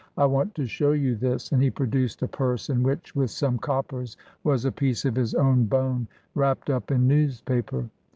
I want to show you this." And he produced a purse, in which, with some coppers, was a piece of his own bone wrapped up in newspaper.